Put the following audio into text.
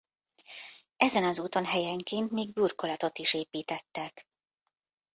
Ezen az úton helyenként még burkolatot is építettek.